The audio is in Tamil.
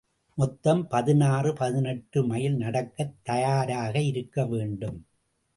மொத்தம் பதினாறு, பதினெட்டு மைல் நடக்கத் தயாராக இருக்க வேண்டும்.